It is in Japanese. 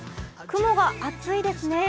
雲が厚いですね。